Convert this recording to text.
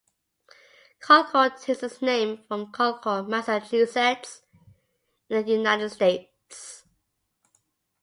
Concord takes its name from Concord, Massachusetts, in the United States.